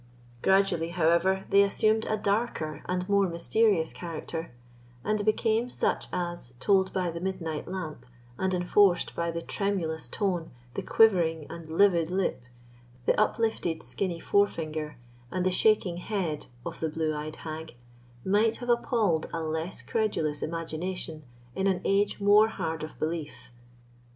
Gradually, however, they assumed a darker and more mysterious character, and became such as, told by the midnight lamp, and enforced by the tremulous tone, the quivering and livid lip, the uplifted skinny forefinger, and the shaking head of the blue eyed hag, might have appalled a less credulous imagination in an age more hard of belief.